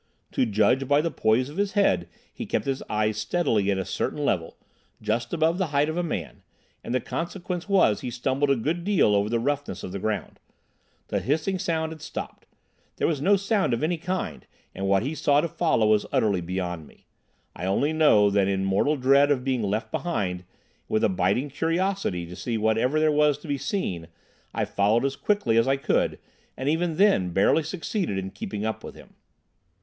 To judge by the poise of his head he kept his eyes steadily at a certain level—just above the height of a man—and the consequence was he stumbled a good deal over the roughness of the ground. The hissing sound had stopped. There was no sound of any kind, and what he saw to follow was utterly beyond me. I only know, that in mortal dread of being left behind, and with a biting curiosity to see whatever there was to be seen, I followed as quickly as I could, and even then barely succeeded in keeping up with him.